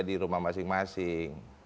di rumah masing masing